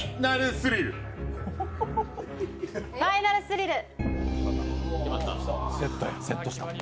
ファイナルスリル。